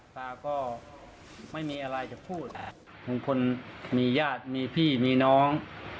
ตาก็ไม่มีอะไรจะพูดแหละบางคนมีญาติมีพี่มีน้อง